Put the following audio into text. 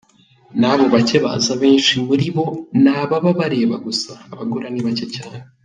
Nabo bake baza abenshi muri bo ni ababa bareba gusa, abagura ni bake cyane.